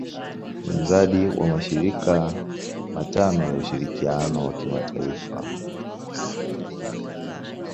Ni mradi wa mashirika matano ya ushirikiano wa kimataifa.